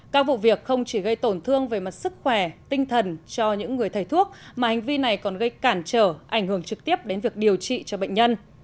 các vụ việc không chỉ gây tổn thương về mặt sức khỏe tinh thần cho những người thầy thuốc mà hành vi này còn gây cản trở ảnh hưởng trực tiếp đến việc điều trị cho bệnh nhân